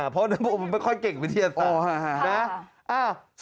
เพราะอธิบายไม่ค่อยเก่งวิทยาศาสตร์